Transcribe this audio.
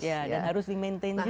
dan harus di maintain juga